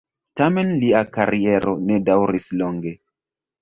Tamen lia kariero ne daŭris longe.